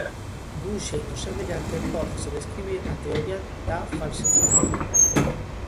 Dun xeito semellante pódese describir a teoría da falsificación.